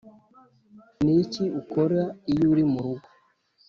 niki ukora iyo uri murugo